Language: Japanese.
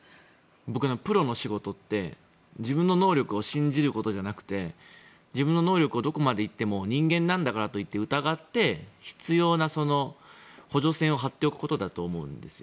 僕、プロの仕事って自分の能力を信じることじゃなくて自分の能力をどこまで行っても人間なんだからと疑って必要な補助線を張っておくことだと思うんです。